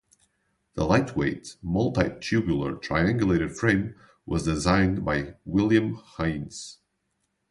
The lightweight, multi-tubular, triangulated frame was designed by William Heynes.